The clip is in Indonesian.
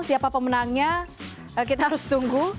siapa pemenangnya kita harus tunggu